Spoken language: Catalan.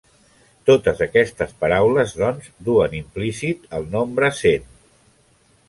Totes aquestes paraules, doncs, duen implícit el nombre cent.